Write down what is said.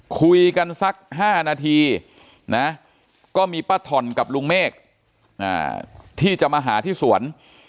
คุยกันสัก๕นาทีนะก็มีป้าถ่อนกับลุงเมฆที่จะมาหาที่สวน